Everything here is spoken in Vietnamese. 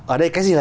ở đây cái gì là